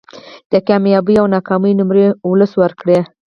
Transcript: د کامیابۍ او ناکامۍ نمرې ولس ورکړي